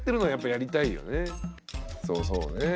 そうそうね。